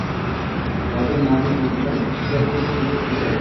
Nodir moviy to‘lqinlar ichra tip-tiniq ko‘lda.